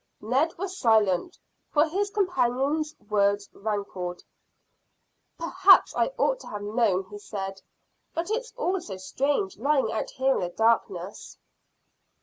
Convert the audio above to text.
Ned was silent, for his companion's words rankled. "Perhaps I ought to have known," he said, "but it's all so strange lying out here in the darkness."